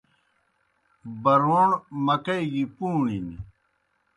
بَرَوݨ مکئی گیْ پْوݨِن۔